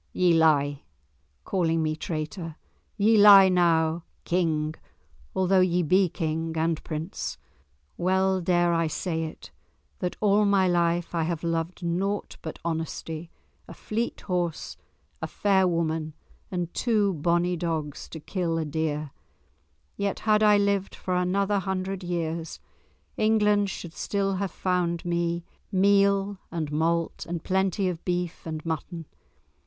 "Ye lie, calling me traitor; ye lie now, King, although ye be King and Prince. Well dare I say it, that all my life I have loved naught but honesty, a fleet horse, a fair woman, and two bonny dogs to kill a deer; yet had I lived for another hundred years, England should have still found me meal and malt and plenty of beef and mutton.